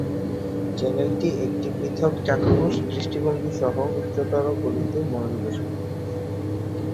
চ্যানেলটি একটি পৃথক চাক্ষুষ দৃষ্টিভঙ্গি সহ উচ্চতর গণিতে মনোনিবেশ করে।